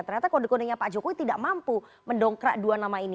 ternyata kode kodenya pak jokowi tidak mampu mendongkrak dua nama ini